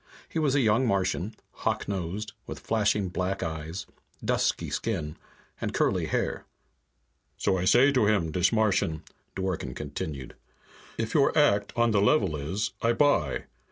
He was a young Martian, hawk nosed, with flashing black eyes, dusky skin, and curly hair. "So I say to him, dis Martian," Dworken continued, "'If your act on the level is, I buy.'